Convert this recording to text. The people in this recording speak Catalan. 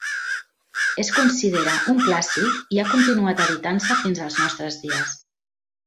Es considera un clàssic i ha continuant editant-se fins als nostres dies.